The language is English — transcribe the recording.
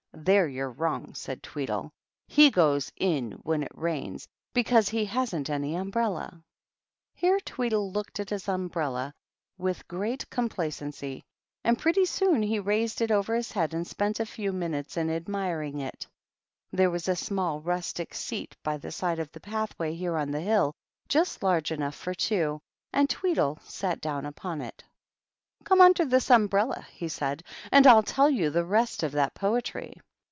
"There you're wrong," said Tweedle. "J3 goes in when it rains, because he hasn't any urn brella." Here Tweedle looked at his umbrella with greg complacency, and pretty soon he raised it ove his head, and spent a few minutes in admiring i There was a small rustic seat by the side of th pathway here on the hill, just large enough fc two, and Tweedle sat down upon it. THE TWEEDLES. 279 " Come under this umbrella," he said, " and Fll tell you the rest of that poetry."